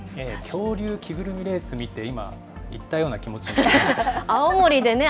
恐竜着ぐるみレース見て、今、行ったような気持ちになりましたね。